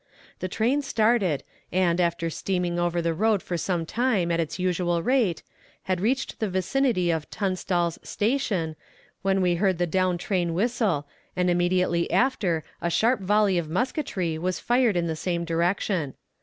The train started, and, after steaming over the road for some time at its usual rate, had reached the vicinity of Tunstall's Station, when we heard the down train whistle, and immediately after a sharp volley of musketry was fired in the same direction.